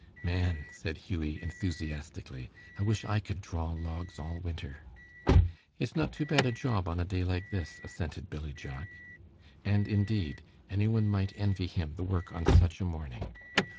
"Man!" said Hughie, enthusiastically, "I wish I could draw logs all winter." "It's not too bad a job on a day like this," assented Billy Jack. And indeed, any one might envy him the work on such a morning.